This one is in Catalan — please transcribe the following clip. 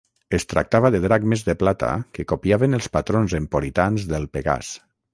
Es tractava de dracmes de plata que copiaven els patrons emporitans del pegàs.